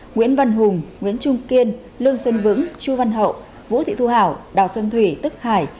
nguyễn văn hùng nguyễn trung kiên lương xuân vững chu văn hậu vũ thị thu hảo đào xuân thủy tức hải